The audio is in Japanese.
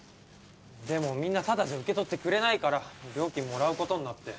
でもみんなタダじゃ受け取ってくれないから料金もらう事になって。